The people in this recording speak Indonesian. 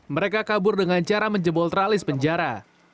mereka kabur dengan cara menjebol tralis penjara